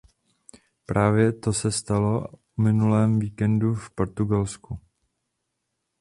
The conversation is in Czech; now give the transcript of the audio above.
Právě to se stalo o minulém víkendu v Portugalsku.